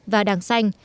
và đảng xanh